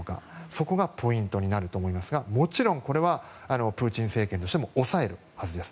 そこがポイントになると思いますがもちろん、プーチン政権としても抑えるはずです。